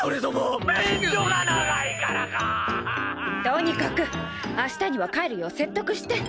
とにかく明日には帰るよう説得して！